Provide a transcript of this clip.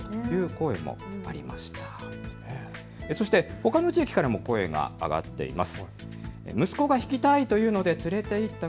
ほかの地域からも声が上がっています。